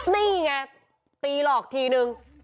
นี่ไงตีหลอกทีนึง